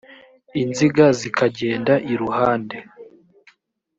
inziga zikagenda iruhande